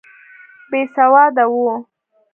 بېسواده وو.